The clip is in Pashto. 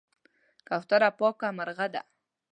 کوتره پاکه مرغه ده.